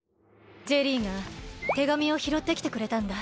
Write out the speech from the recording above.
ジェリーが手紙をひろってきてくれたんだ。